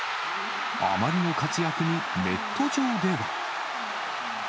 あまりの活躍に、ネット上では。